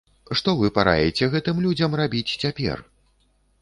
Што вы параіце гэтым людзям рабіць цяпер?